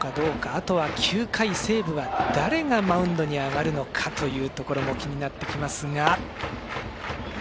あとは９回、西武が誰がマウンドに上がるのかというところも気になってきますが。